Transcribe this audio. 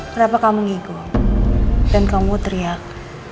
kenapa kamu ikut dan kamu teriak